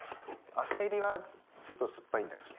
浅煎りはちょっと酸っぱいんだっけ？